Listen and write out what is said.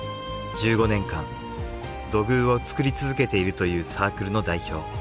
１５年間土偶を作り続けているというサークルの代表